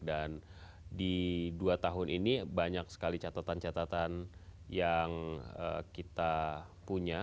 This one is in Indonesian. dan di dua tahun ini banyak sekali catatan catatan yang kita punya